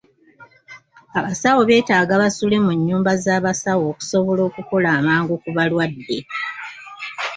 Abasawo beetaaga basule mu nnyumba z'abasawo okusobola okukola amangu ku balwadde.